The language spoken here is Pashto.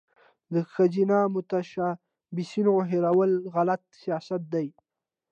د ښځینه متشبثینو هیرول غلط سیاست دی.